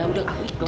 udah aku ikhlas